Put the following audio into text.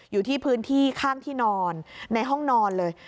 อยู่ที่พื้นที่ข้างที่นอนในห้องนอนเลย